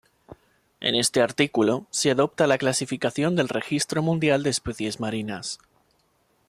En este artículo, se adopta la clasificación del Registro Mundial de Especies Marinas.